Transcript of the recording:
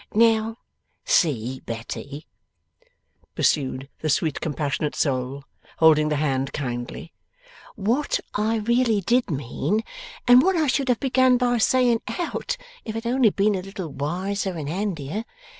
'Now, see, Betty,' pursued the sweet compassionate soul, holding the hand kindly, 'what I really did mean, and what I should have begun by saying out, if I had only been a little wiser and handier.